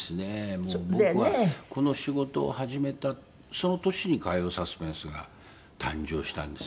もう僕はこの仕事を始めたその年に火曜サスペンスが誕生したんですね。